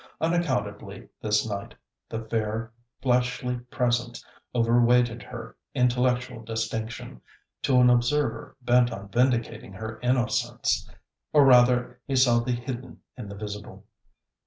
Unaccountably this night, the fair fleshly presence over weighted her intellectual distinction, to an observer bent on vindicating her innocence. Or rather, he saw the hidden in the visible.